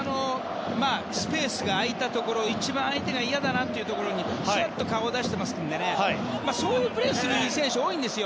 スペースが空いたところ一番相手が嫌だなというところに顔を出していますからそういうプレスに行く選手が多いんですよ。